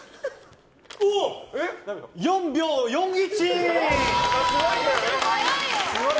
４秒４１！